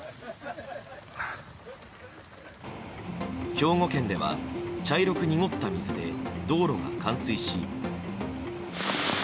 兵庫県では、茶色く濁った水で道路が冠水し。